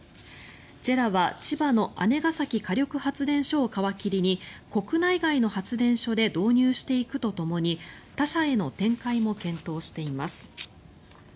ＪＥＲＡは千葉の姉崎火力発電所を皮切りに国内外の発電所で導入していくとともに他社への展開も検討しています。